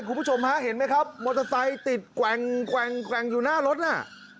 คุณผู้ชมฮะเห็นไหมครับมอเตอร์ไซค์ติดแกว่งอยู่หน้ารถน่ะ